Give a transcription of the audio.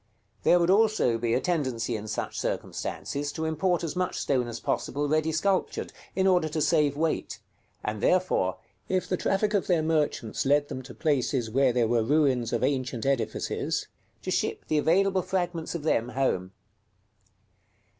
There would also be a tendency in such circumstances to import as much stone as possible ready sculptured, in order to save weight; and therefore, if the traffic of their merchants led them to places where there were ruins of ancient edifices, to ship the available fragments of them home.